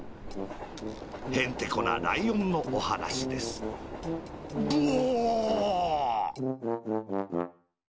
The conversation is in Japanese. へんてこなライオンのおはなしですブオ！